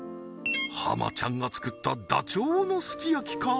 浜ちゃんが作ったダチョウのすき焼きか？